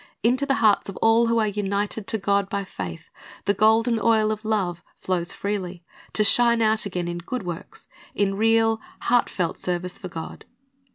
Into the hearts of all who are united to God by faith the golden oil of love flows freely, to shine out again in good works, in real, heartfelt service for God.